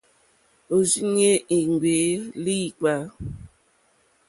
Òrzìɲɛ́ í ŋɡbèé líǐpkà.